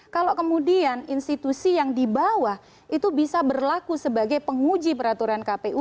kalau kemudian institusi yang di bawah itu bisa berlaku sebagai penguji peraturan kpu